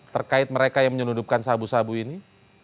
terkait mereka yang menyelundupkan sabu sabu ini